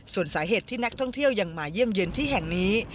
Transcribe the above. ส่วนสาเหตุที่นักท่องเที่ยวยังมาเยี่ยมเย็นที่แห่งนี้